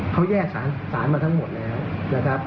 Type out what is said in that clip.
เขาแยกศาลมาทั้งหมดแล้ว